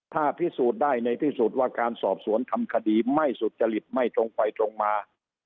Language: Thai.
ถ้าพิสูจน์ได้ในที่สุดว่าการสอบสวนทำคดีไม่สุจริตไม่ตรงไปตรงมา